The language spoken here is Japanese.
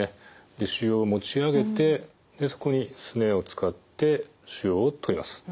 腫瘍を持ち上げてそこにスネアを使って腫瘍を取ります。